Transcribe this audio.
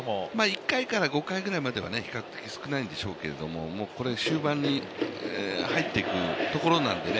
１回から５回ぐらいまでは比較的少ないんですけどこれ終盤に入っていくところなんでね。